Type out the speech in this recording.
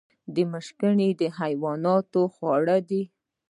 مشګڼې د حیواناتو خواړه دي